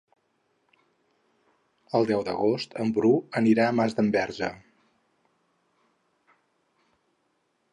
El deu d'agost en Bru anirà a Masdenverge.